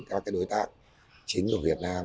các cái đối tác chính của việt nam